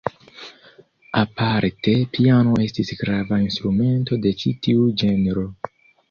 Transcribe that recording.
Aparte piano estis grava instrumento de ĉi tiu ĝenro.